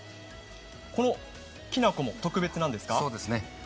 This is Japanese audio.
このきな粉も特別なんですか？